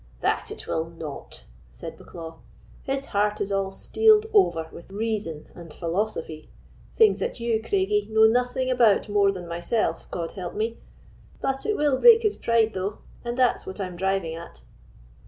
"That it will not," said Bucklaw; "his heart is all steeled over with reason and philosophy, things that you, Craigie, know nothing about more than myself, God help me. But it will break his pride, though, and that's what I'm driving at."